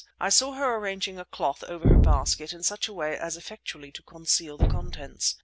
I saw her arranging a cloth over her basket in such a way as effectually to conceal the contents.